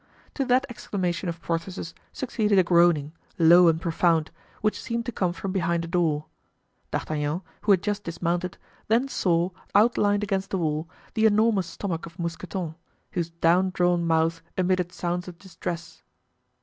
To that exclamation of Porthos's succeeded a groaning, low and profound, which seemed to come from behind a door. D'Artagnan, who had just dismounted, then saw, outlined against the wall, the enormous stomach of Mousqueton, whose down drawn mouth emitted sounds of distress.